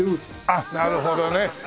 あっなるほどね。